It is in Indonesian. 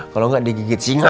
kalau enggak digigit singa